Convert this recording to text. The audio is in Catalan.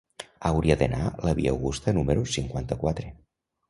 Hauria d'anar a la via Augusta número cinquanta-quatre.